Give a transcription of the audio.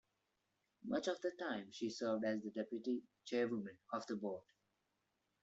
Much of that time she served as deputy chairwoman of the board.